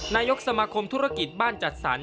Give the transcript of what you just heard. นายกสมาคมธุรกิจบ้านจัดสรร